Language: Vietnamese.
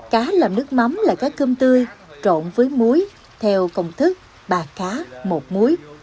cá làm nước mắm là cá cơm tươi trộn với muối theo công thức ba cá một muối